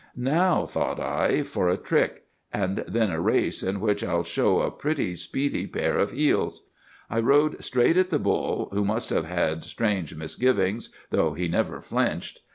"'"Now," thought I, "for a trick! and then a race, in which I'll show a pretty speedy pair of heels!" I rode straight at the bull, who must have had strange misgivings, though he never flinched.